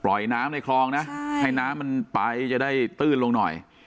น้ำในคลองนะให้น้ำมันไปจะได้ตื้นลงหน่อย